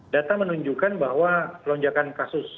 data menunjukkan bahwa lonjakan kasus